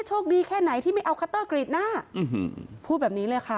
แค่ไหนที่ไม่เอาคัตเตอร์กรีดหน้าพูดแบบนี้เลยค่ะ